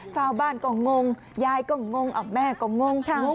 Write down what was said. เจ้าบ้านก็งงยายก็งงแม่ก็งง